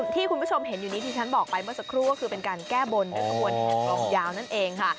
ที่คุณผู้ชมเห็นอยู่นี้ที่ฉันบอกไปเมื่อสักครู่ก็คือเป็นการแก้บนด้วยขบวนแห่กลองยาวนั่นเองค่ะ